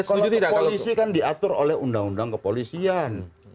kalau kepolisi kan diatur oleh undang undang kepolisian